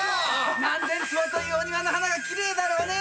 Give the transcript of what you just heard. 何千坪というお庭の花がきれいだろうな。